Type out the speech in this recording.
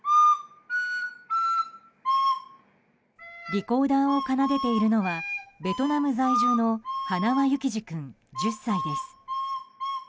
リコーダーを奏でているのはベトナム在住の塙幸士君、１０歳です。